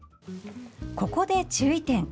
ここで注意点。